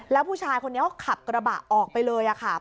แล้วผู้ชายคนนี้ก็ขับกระบะออกไปเลยค่ะ